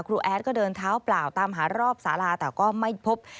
แอดก็เดินเท้าเปล่าตามหารอบสาราแต่ก็ไม่พบ